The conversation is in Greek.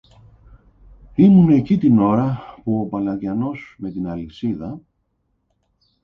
ήμουν εκεί την ώρα που ο παλατιανός με την αλυσίδα